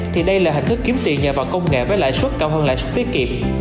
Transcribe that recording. thì đây là hình thức kiếm tiền nhờ vào công nghệ với lãi suất cao hơn lãi suất tiết kiệm